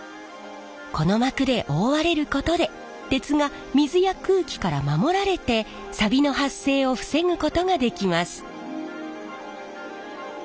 この膜で覆われることで鉄が水や空気から守られてさびの発生を防ぐことができます。